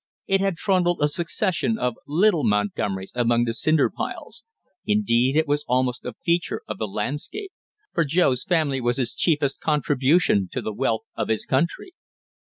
It had trundled a succession of little Montgomerys among the cinder piles; indeed, it was almost a feature of the landscape, for Joe's family was his chiefest contribution to the wealth of his country.